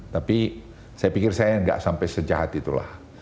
tapi saya pikir saya nggak sampai sejahat itulah